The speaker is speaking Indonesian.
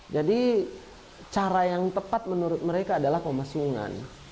jadi cara yang tepat menurut mereka adalah pemasungan